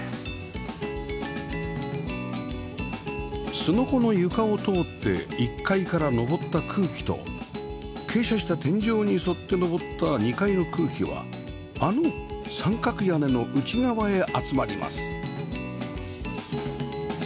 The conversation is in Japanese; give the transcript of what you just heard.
すのこの床を通って１階から上った空気と傾斜した天井に沿って上った２階の空気はあの三角屋根の内側へ集まります